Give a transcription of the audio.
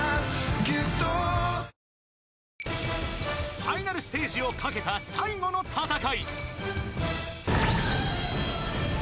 ［ファイナルステージを懸けた最後の戦い］